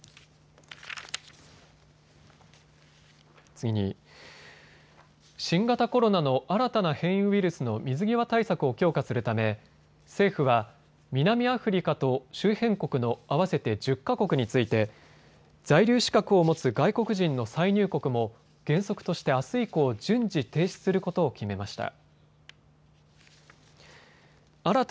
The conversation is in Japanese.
次に、新型コロナの新たな変異ウイルスの水際対策を強化するため政府は南アフリカと周辺国の合わせて１０か国について在留資格を持つ外国人の再入国も原則としてあす以降、順次、停止することを決めました。